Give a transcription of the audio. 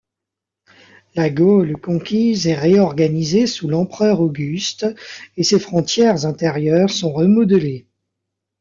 La Gaule conquise est réorganisée sous l’empereur Auguste et ses frontières intérieures sont remodelées.